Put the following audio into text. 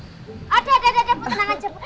ada ada ada bu tenang aja bu